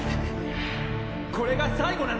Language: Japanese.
これが最後なんです！！